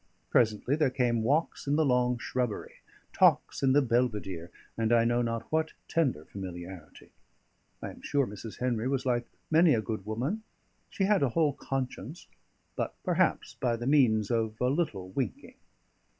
Presently there came walks in the long shrubbery, talks in the Belvedere, and I know not what tender familiarity. I am sure Mrs. Henry was like many a good woman; she had a whole conscience, but perhaps by the means of a little winking.